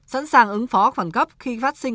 sẵn sàng ứng phó khoảng cấp khi phát sinh